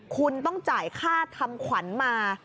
คุณต้องจ่ายค่าทำขวัญมา